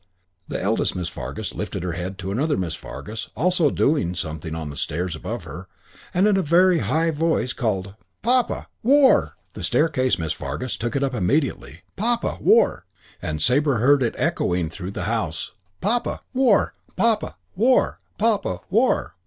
The eldest Miss Fargus lifted her head to another Miss Fargus also "doing" something on the stairs above her, and in a very high voice called, "Papa! War!" The staircase Miss Fargus took it up immediately. "Papa! War!" and Sabre heard it go echoing through the house, "Papa! War! Papa! War! Papa! War!"